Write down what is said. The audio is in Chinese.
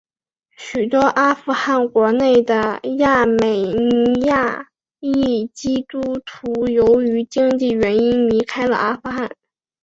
许多阿富汗国内的亚美尼亚裔基督徒由于经济原因离开了阿富汗。